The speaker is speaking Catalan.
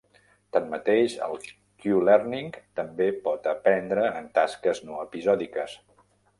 Tanmateix, el "Q-learning" també pot aprendre en tasques no episòdiques.